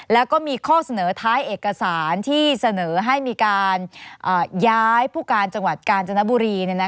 แล้วก็มีข้อเสนอท้ายเอกสารที่เสนอให้มีการย้ายผู้การจังหวัดกาญจนบุรี